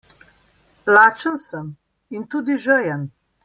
Lačen sem in tudi žejen.